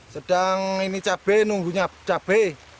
sedang ini cabai nunggunya cabai